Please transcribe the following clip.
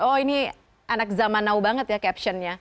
oh ini anak zaman now banget ya captionnya